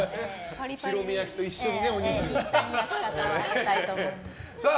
白身焼きと一緒にお肉をね。